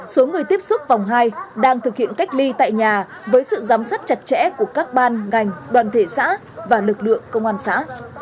số người tiếp xúc vòng hai đang thực hiện cách ly tại nhà với sự giám sát chặt chẽ của các ban ngành đoàn thể xã và lực lượng công an xã